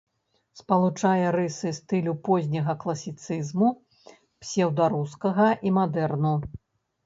Спалучае рысы стыляў позняга класіцызму, псеўдарускага і мадэрну.